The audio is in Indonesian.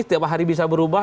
setiap hari bisa berubah